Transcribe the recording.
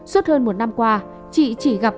suốt hơn một năm qua chị chỉ gặp